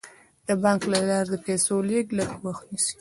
د بانک له لارې د پيسو لیږد لږ وخت نیسي.